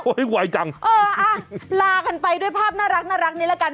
อุ๊ยไหวจังเอออ่าลากันไปด้วยภาพน่ารักน่ารักนี้แล้วกัน